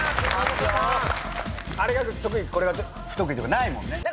これが不得意とかないもんね？